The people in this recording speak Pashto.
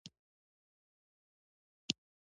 ورورولي څه حکم لري؟